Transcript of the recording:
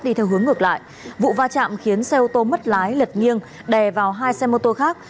đi theo hướng ngược lại vụ va chạm khiến xe ô tô mất lái lật nghiêng đè vào hai xe mô tô khác